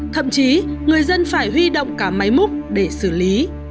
thậm chí người dân phải huy động cả máy múc để xử lý